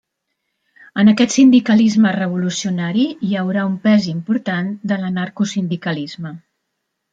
En aquest sindicalisme revolucionari hi haurà un pes important de l’anarcosindicalisme.